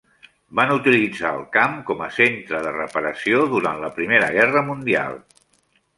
Van utilitzar el camp com a centre de reparació durant la Primera Guerra mundial.